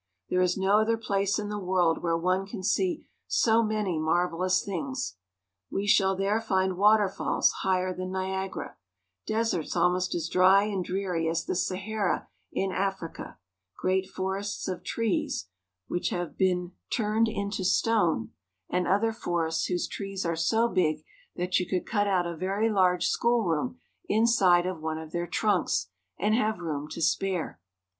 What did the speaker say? There is no other place in the world where one can see so many marvelous things. We shall there find waterfalls higher than Niagara, deserts almost as dry and dreary as the Sahara in Africa, great forests of trees which have been THE WONDERLAND OF AMERICA. 237 turned into stone, and other forests whose trees are so big that you could cut out a very large schoolroom inside of one of their trunks, and have room to spare.